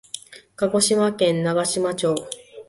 鹿児島県長島町